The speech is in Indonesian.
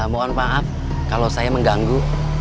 mohon maaf kalau saya mengganggu